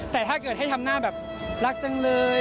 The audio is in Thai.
แต่ถ้าเกิดให้ทำหน้าแบบรักจังเลย